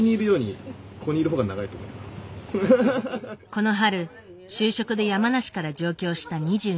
この春就職で山梨から上京した２２歳。